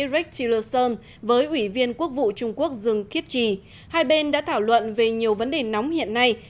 rick tillerson với ủy viên quốc vụ trung quốc dương kiếp trì hai bên đã thảo luận về nhiều vấn đề nóng hiện nay